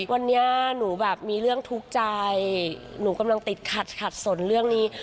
วันนี้หนูแบบมีเรื่องทุกข์ใจหนูกำลังติดขัดขัดสนเรื่องนี้